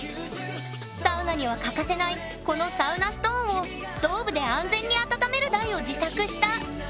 サウナには欠かせないこのサウナストーンをストーブで安全にあたためる台を自作した